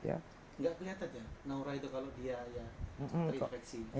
nggak kelihatan ya noura itu kalau dia terinfeksi